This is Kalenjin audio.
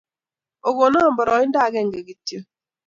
Okonan poroindo agenge kityok